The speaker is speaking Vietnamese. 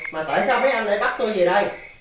mà tại sao mấy anh lại bắt tôi gì đây